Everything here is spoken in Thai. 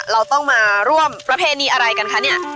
เราต้องมาร่วมประเพณีอะไรกันคะเนี่ย